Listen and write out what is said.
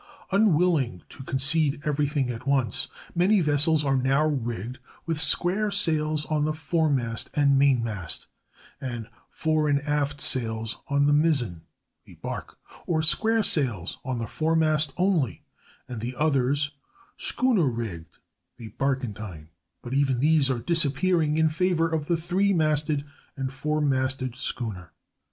Unwilling to concede everything at once, many vessels are now rigged with square sails on the foremast and mainmast and fore and aft sails on the mizzen (a bark), or square sails on the foremast only, and the others schooner rigged (a barkentine); but even these are disappearing in favor of the three masted or four masted schooner.